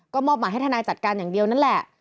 ก็มอบหมายให้ทนายจัดการอย่างเดียวนั่นแหละ